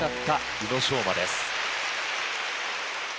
宇野昌磨です。